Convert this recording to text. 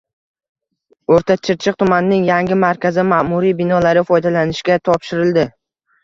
O‘rta Chirchiq tumanining yangi markazi ma’muriy binolari foydalanishga topshirildi